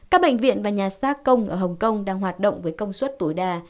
các bệnh viện và nhà start công ở hồng kông đang hoạt động với công suất tối đa